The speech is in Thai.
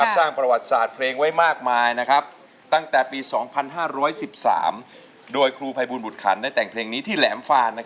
สร้างประวัติศาสตร์เพลงไว้มากมายตั้งแต่ปี๒๕๑๓โดยครูภัยบูลบุตรขันได้แต่งเพลงนี้ที่แหลมฟาน